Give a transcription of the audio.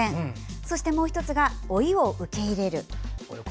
そして、もう１つは老いを受け入れる。